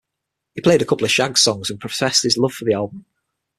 He played a couple of Shaggs songs, and professed his love for the album.